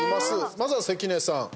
まずは関根さん。